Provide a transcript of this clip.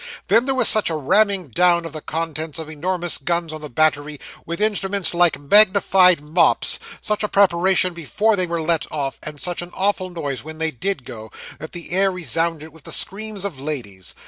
Then there was such a ramming down of the contents of enormous guns on the battery, with instruments like magnified mops; such a preparation before they were let off, and such an awful noise when they did go, that the air resounded with the screams of ladies.